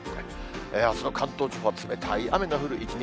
あすの関東地方は冷たい雨の降る一日。